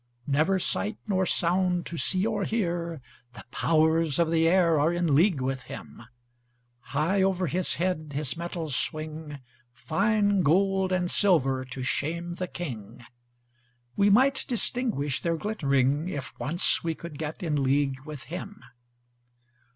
Never sight nor sound to see or hear; The powers of the air are in league with him; High over his head his metals swing, Fine gold and silver to shame the king; We might distinguish their glittering, If once we could get in league with him.